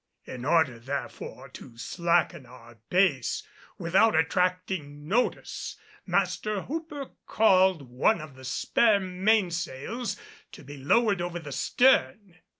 In order therefore to slacken our pace without attracting notice, Master Hooper caused one of the spare mainsails to be lowered over the stern.